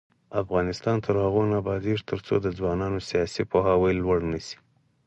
افغانستان تر هغو نه ابادیږي، ترڅو د ځوانانو سیاسي پوهاوی لوړ نشي.